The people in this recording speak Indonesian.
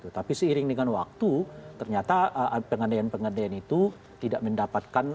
tapi seiring dengan waktu ternyata pengandaian pengandaian itu tidak mendapatkan